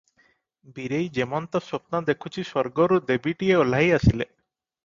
ବୀରେଇ ଯେମନ୍ତ ସ୍ୱପ୍ନ ଦେଖୁଛି ସ୍ୱର୍ଗରୁ ଦେବୀଟିଏ ଓହ୍ଲାଇ ଆସିଲେ ।